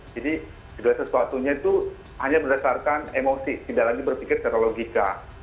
jadi segala sesuatunya itu hanya berdasarkan emosi tidak lagi berpikir secara logika